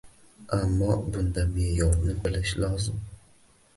Ammo bunda me’yorni bilish lozim